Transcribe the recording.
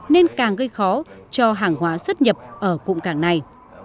nên càng gây khó cho hàng hóa xuất nhập ở cụm cảng này